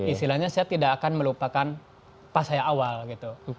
istilahnya saya tidak akan melupakan pas saya awal gitu